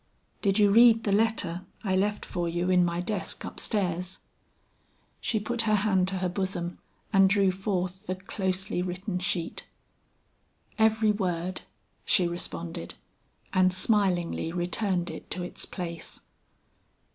"Did you read the letter I left for you in my desk up stairs?" She put her hand to her bosom and drew forth the closely written sheet. "Every word," she responded, and smilingly returned it to its place.